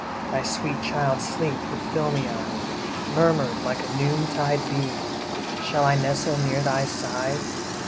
Thy sweet child Sleep, the filmy eyed, Murmured like a noontide bee, "Shall I nestle near thy side?